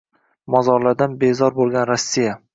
Mozorlardan bezor bo’lgan Rossiya